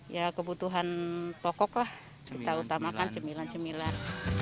ya kebutuhan pokok lah kita utamakan cemilan cemilan